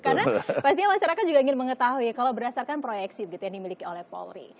karena pasti masyarakat juga ingin mengetahui kalau berdasarkan proyeksi yang dimiliki oleh polri